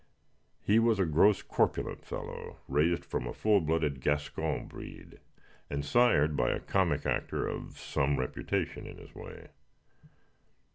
He was a gross, corpulent fellow, raised from a full blooded Gascon breed, and sired by a comic actor of some reputation in his way.